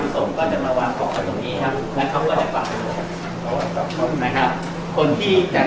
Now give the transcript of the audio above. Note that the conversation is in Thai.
สวัสดีครับ